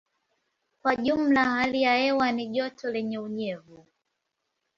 Kwa jumla hali ya hewa ni joto lenye unyevu.